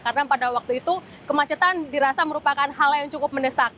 karena pada waktu itu kemacetan dirasa merupakan hal yang cukup mendesak